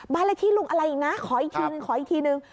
บ้านไรขี่ลุงอะไรนะขออีกทีหนึ่ง